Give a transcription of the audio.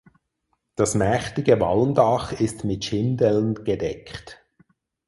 Das mächtige Walmdach ist mit Schindeln gedeckt.